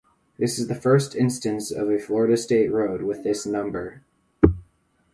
This is the first instance of a Florida State Road with this number.